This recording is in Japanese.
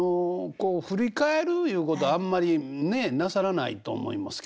こう振り返るいうことあんまりねなさらないと思いますけれどね。